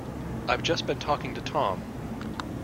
I've just been talking to Tom.